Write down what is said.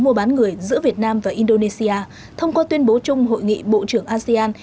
mùa bán người giữa việt nam và indonesia thông qua tuyên bố chung hội nghị bộ trưởng asean